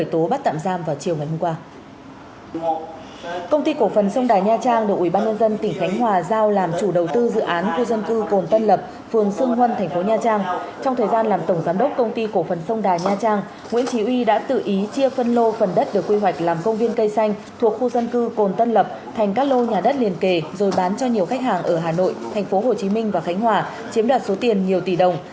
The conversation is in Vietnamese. trong thời gian làm tổng giám đốc công ty cổ phần sông đài nha trang nguyễn trí uy đã tự ý chia phân lô phần đất được quy hoạch làm công viên cây xanh thuộc khu dân cư cồn tân lập thành các lô nhà đất liền kề rồi bán cho nhiều khách hàng ở hà nội tp hcm và khánh hòa chiếm đạt số tiền nhiều tỷ đồng